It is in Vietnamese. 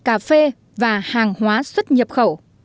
cà phê và hàng hóa xuất nhập khẩu